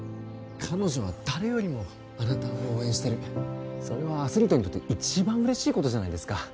彼女は誰よりもあなたを応援してるそれはアスリートにとって一番嬉しいことじゃないですか